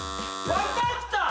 分かった！